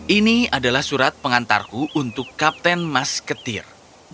ini adalah surat pengantarku untuk kapten masketir